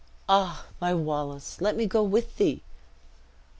"Ah, my Wallace, let me go with thee!"